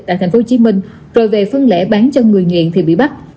tại tp hcm rồi về phân lễ bán cho người nghiện thì bị bắt